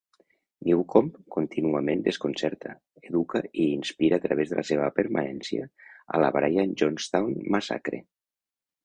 Newcombe contínuament desconcerta, educa i inspira a través de la seva permanència a la "Brian Jonestown Massacre".